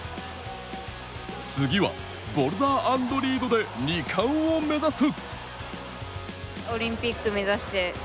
次はボルダー＆リードで２冠を目指す。